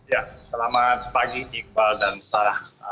ya selamat pagi iqbal dan sarah